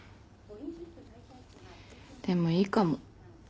でもいいかも。